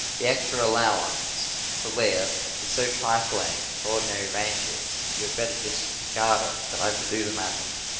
The extra allowance for "lift" is so trifling at ordinary ranges that you had better disregard it than overdo the matter.